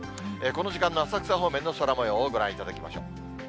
この時間の浅草方面の空もようをご覧いただきましょう。